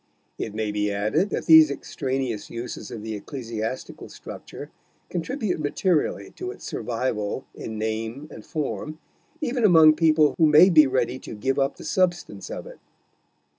It may be added that these extraneous uses of the ecclesiastical structure contribute materially to its survival in name and form even among people who may be ready to give up the substance of it.